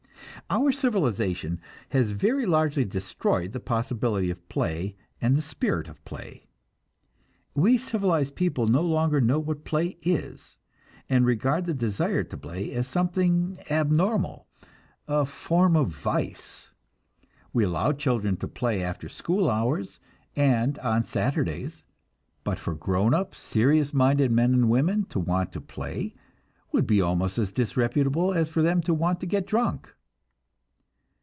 Our civilization has very largely destroyed the possibility of play and the spirit of play. We civilized people no longer know what play is, and regard the desire to play as something abnormal a form of vice. We allow children to play after school hours, and on Saturdays; but for grown up, serious minded men and women to want to play would be almost as disreputable as for them to want to get drunk.